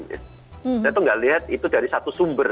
saya tuh nggak lihat itu dari satu sumber